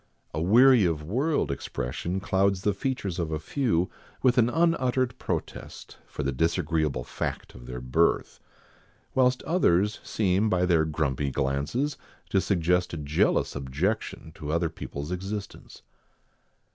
A weary of world expression clouds the features of a few with an unuttered protest, for the disagreeable fact of their birth, whilst others seem by their grumpy glances to suggest a jealous objection to other people's existence.